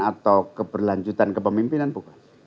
atau keberlanjutan kepemimpinan bukan